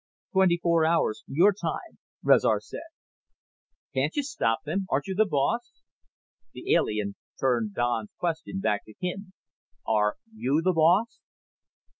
"Twenty four hours, your time," Rezar said. "Can't you stop them? Aren't you the boss?" The alien turned Don's question back on him. "Are you the boss?"